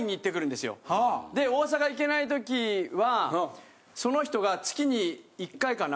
で大阪行けないときはその人が月に１回かな？